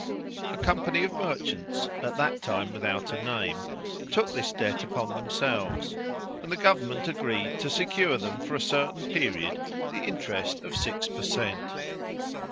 A company of merchants, at that time without a name, took this debt upon themselves, and the government agreed to secure them for a certain period the interest of six per cent.